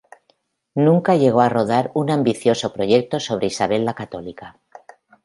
Nunca llegó a rodar un ambicioso proyecto sobre Isabel la Católica.